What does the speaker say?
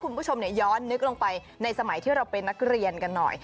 คุณผู้ชมย้อนนึกลงไปในสมัยที่เราเป็นนักเรียนกันหน่อย